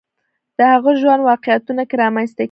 د هغه ژوند واقعیتونو کې رامنځته کېږي